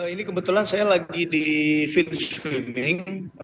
ini kebetulan saya lagi di fins swimming